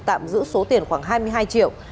tạm giữ số tiền khoảng hai mươi hai triệu